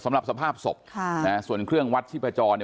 สำหรับสภาพศพส่วนเครื่องวัดชีพจร